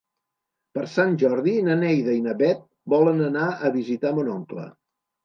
Per Sant Jordi na Neida i na Bet volen anar a visitar mon oncle.